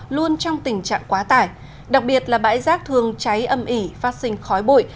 luôn trong tình trạng quá tải đặc biệt là bãi rác thường cháy âm ỉ phát sinh khói bụi